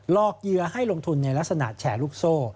อกเหยื่อให้ลงทุนในลักษณะแชร์ลูกโซ่